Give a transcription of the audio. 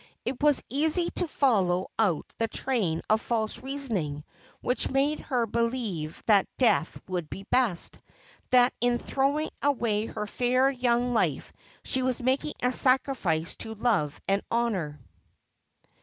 It was easy to follow out the train of false reasoning which made her believe that death would be best ; that in throwing away her fair young life she was making a sacrifice to love and honour.